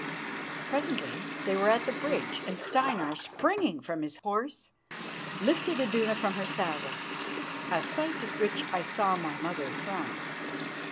Presently they were at the bridge, and Steinar, springing from his horse, lifted Iduna from her saddle, a sight at which I saw my mother frown.